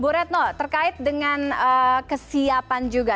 bu retno terkait dengan kesiapan juga